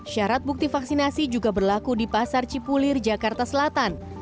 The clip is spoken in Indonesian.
syarat bukti vaksinasi juga berlaku di pasar cipulir jakarta selatan